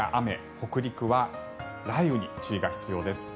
北陸は雷雨に注意が必要です。